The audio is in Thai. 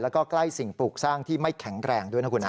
แล้วก็ใกล้สิ่งปลูกสร้างที่ไม่แข็งแรงด้วยนะคุณนะ